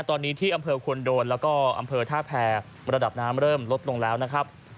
ตอนนี้ที่อำเภอควรโดนแล้วก็อำเภอท่าแพรระดับน้ำเริ่มลดลงแล้วนะครับ